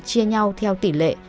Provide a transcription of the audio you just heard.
chia nhau theo tỷ lệ